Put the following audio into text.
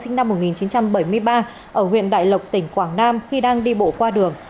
sinh năm một nghìn chín trăm bảy mươi ba ở huyện đại lộc tỉnh quảng nam khi đang đi bộ qua đường